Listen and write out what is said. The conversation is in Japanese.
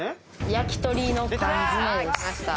焼き鳥の缶詰です。